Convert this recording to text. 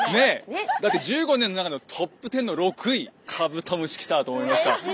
だって１５年の中のトップ１０の６位カブトムシ来たと思いました。